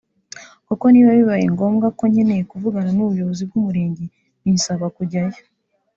kuko niba bibayengombwa ko nkeneye kuvugana n’ubuyobozi bw’Umurenge binsaba kujyayo